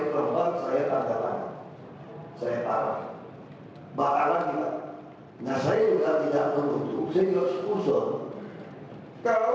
kalau rp dua juta kenapa tidak setuju rp tiga juta